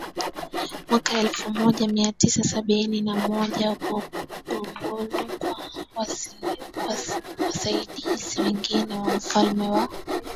mwaka elfu moja mia tisa sabini na moja Gungulugwa Wasaidizi wengine wa Wafalme wa